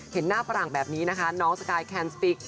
เห็นหน้าฝรั่งแบบนี้นะคะน้องสกายแคนสติก